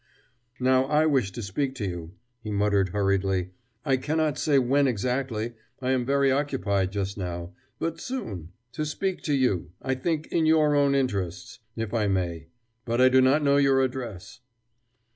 "Now, I wish to speak to you," he muttered hurriedly. "I cannot say when exactly I am very occupied just now but soon.... To speak to you, I think, in your own interests if I may. But I do not know your address."